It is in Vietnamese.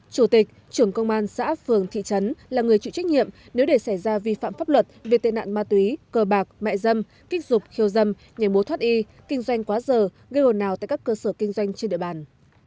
chủ tịch trưởng công an xã phường thị trấn là người chịu trách nhiệm nếu để xảy ra vi phạm pháp luật về tệ nạn ma túy cờ bạc mẹ dâm kích dục khiêu dâm nhảy mối thoát y kinh doanh quá giờ gây ồn nào tại các cơ sở kinh doanh trên địa bàn